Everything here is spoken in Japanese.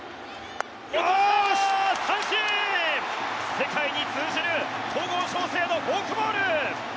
世界に通じる戸郷翔征のフォークボール！